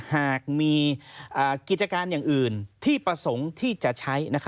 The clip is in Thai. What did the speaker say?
หากมีกิจการอย่างอื่นที่ประสงค์ที่จะใช้